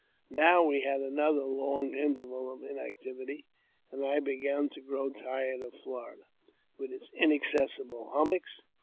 Now we had another long interval of inactivity, and I began to grow tired of Florida, with its inaccessible hummocks.